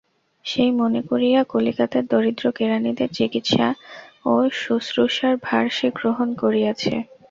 সেই মনে করিয়া কলিকাতার দরিদ্র কেরানিদের চিকিৎসা ও শুশ্রূষার ভার সে গ্রহণ করিয়াছে।